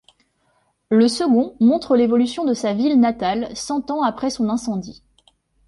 Le second montre l'évolution de sa ville natale cent ans après son incendie.